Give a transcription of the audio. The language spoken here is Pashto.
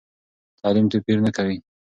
تعلیم توپیر نه کوي.